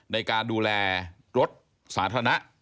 ในการดูแลรถสาธารณะ